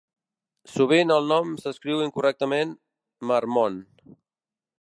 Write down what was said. Sovint el nom s'escriu incorrectament "Marmon".